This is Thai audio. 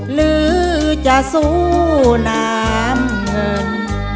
หรือจะสู้น้ำเงิน